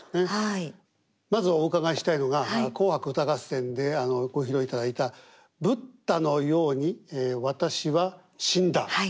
まずお伺いしたいのが「紅白歌合戦」でご披露いただいた「ブッダのように私は死んだ」。